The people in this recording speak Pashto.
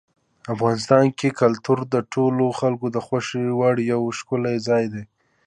افغانستان کې کلتور د ټولو خلکو د خوښې وړ یو ښکلی ځای دی.